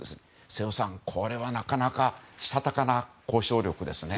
瀬尾さん、これはなかなかしたたかな交渉力ですね。